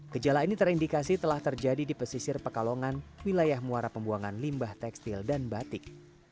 kejala ini terindikasi telah terjadi di pesisir pekalongan wilayah muara pembuangan limbah tekstil dan batik